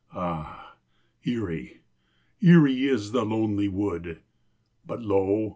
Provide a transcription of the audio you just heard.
Ah, eerie, eerie is the lonely wood, But lo!